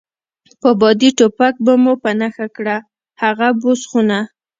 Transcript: په بادي ټوپک به مو په نښه کړه، هغه بوس خونه.